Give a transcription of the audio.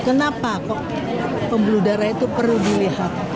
kenapa kok pembuluh darah itu perlu dilihat